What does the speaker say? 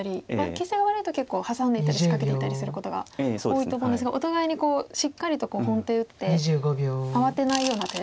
形勢が悪いと結構ハサんでいったり仕掛けていったりすることが多いと思うんですがお互いにこうしっかりと本手打って慌てないような手が。